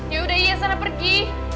yaudah iya sana pergi